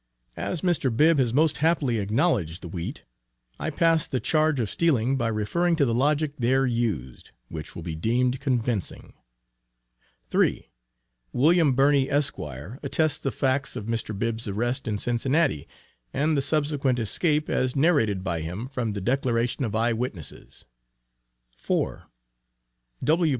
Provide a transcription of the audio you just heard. As Mr. Bibb has most happily acknowledged the wheat, (see page 130,) I pass the charge of stealing by referring to the logic there used, which will be deemed convincing. 3. William Birney, Esq., attests the facts of Mr. Bibb's arrest in Cincinnati, and the subsequent escape, as narrated by him, from the declaration of eye witnesses. 4. W.